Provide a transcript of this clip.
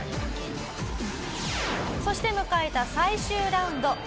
そして迎えた最終ラウンド。